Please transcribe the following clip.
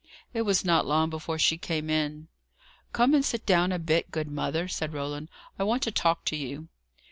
It was not long before she came in. "Come and sit down a bit, good mother," said Roland. "I want to talk to you."